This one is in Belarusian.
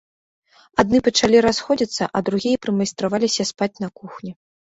Адны пачалі расходзіцца, а другія прымайстраваліся спаць на кухні.